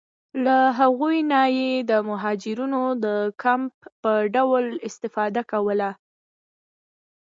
له هغو نه یې د مهاجرینو د کمپ په ډول استفاده کوله.